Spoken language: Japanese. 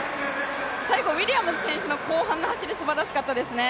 最後ウィリアムズ選手の後半の走り、すばらしかったですね